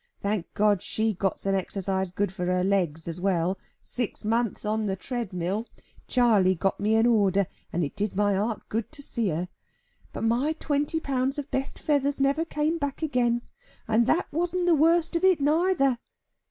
Thank God, she got some exercise good for her legs as well. Six months on the treadmill. Charley got me an order, and it did my heart good to see her. But my twenty pounds of best feathers never came back again, and that wasn't the worst of it neither."